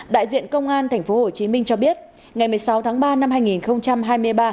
đại diện công an tp hcm cho biết ngày một mươi sáu tháng ba năm hai nghìn hai mươi ba